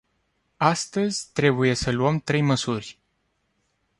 Astăzi, trebuie să luăm trei măsuri.